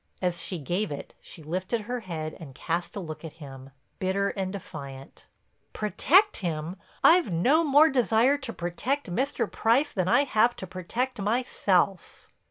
As she gave it she lifted her head and cast a look at him, bitter and defiant: "Protect him! I've no more desire to protect Mr. Price than I have to protect myself."